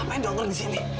apa yang dokter disini